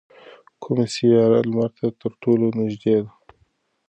کومه سیاره لمر ته تر ټولو نږدې ده؟